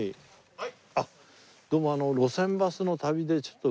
はい。